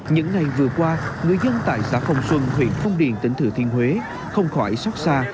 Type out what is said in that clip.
những ngày vừa qua người dân tại xã phong xuân huyện phong điền tỉnh thừa thiên huế không khỏi xót xa